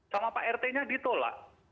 sama pak rt nya ditolak